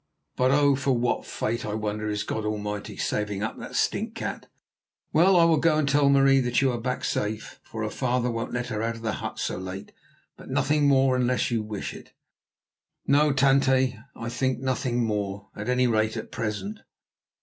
But oh! for what fate, I wonder, is God Almighty saving up that stinkcat. Well, I will go and tell Marie that you are back safe, for her father won't let her out of the hut so late; but nothing more unless you wish it." "No, Tante; I think nothing more, at any rate at present."